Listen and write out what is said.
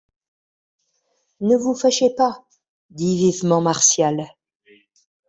Ne vous fâchez pas, dit vivement Martial.